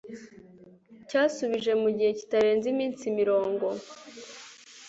cyasubije mu gihe kitarenze iminsi mirongo